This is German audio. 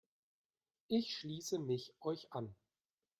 Ich schließe mich euch an.